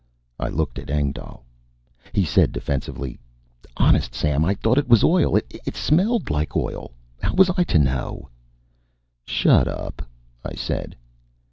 I looked at Engdahl. He said defensively: "Honest, Sam, I thought it was oil. It smelled like oil. How was I to know " "Shut up," I said.